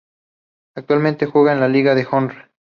Actualmente juega en la Liga de Honra.